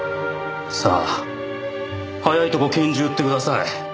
さあ早いとこ拳銃売ってください。